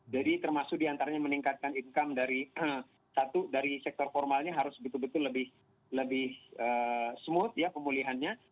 jadi termasuk diantaranya meningkatkan income dari satu dari sektor formalnya harus betul betul lebih smooth ya pemulihannya